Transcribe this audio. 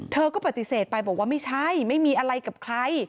เธอก็ปฏิเสธไปบอกว่าไม่ใช่ไม่มีอะไรกับใคร